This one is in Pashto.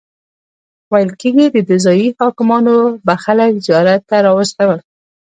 ویل کیږي دده ځایي حاکمانو به خلک زیارت ته راوستل.